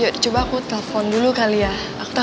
ya coba aku telpon dulu kali ya